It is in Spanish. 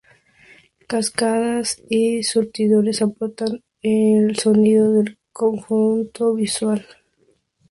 Cascadas y surtidores aportan el sonido al conjunto visual.